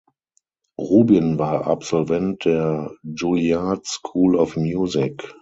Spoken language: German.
Rubin war Absolvent der Juilliard School of Music.